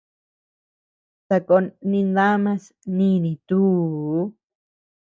Sakón nindamas nini tuu.